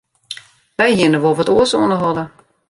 Wy hiene wol wat oars oan 'e holle.